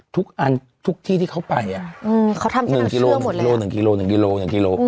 ทุกอันทุกที่ที่เขาไปอ่ะอืมเขาทำเส้นทางเชื่อหมดเลยอ่ะหนึ่งกิโลหนึ่งกิโลหนึ่งกิโลหนึ่งกิโล